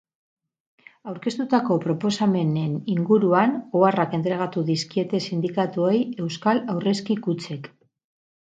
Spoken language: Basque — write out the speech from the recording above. Aurkeztutako proposamenen inguruan oharrak entregatu dizkiete sindikatuei euskal aurrezki-kutxek.